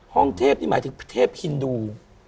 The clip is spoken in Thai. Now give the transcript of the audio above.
ห้องเทพนี่หมายถึงเทพฮินดู